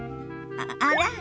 あら？